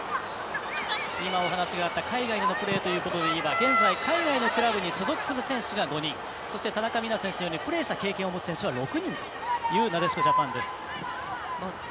今、お話があった海外のプレーを言えば今、現在、海外のクラブに所属する選手が５人そして、田中美南選手のようにプレーした経験を持つ選手は６人という、現在のなでしこ。